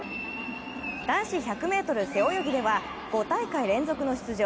男子１００ｍ背泳ぎでは５大会連続の出場。